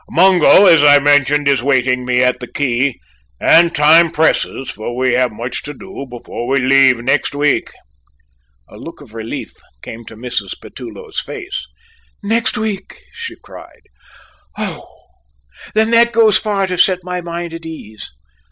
Mungo, as I mentioned, is waiting me at the quay, and time presses, for we have much to do before we leave next week." A look of relief came to Mrs. Petullo's face. "Next week!" she cried. "Oh, then, that goes far to set my mind at ease."